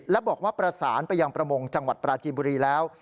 และบอกว่าประสานไปยังประมงจังหวัดปราจีนบุรีแล้ว